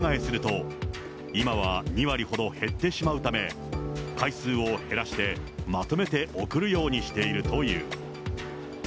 円で支払われた給料を自国通貨に両替すると、今は２割ほど減ってしまうため、回数を減らしてまとめて送るようにしているという。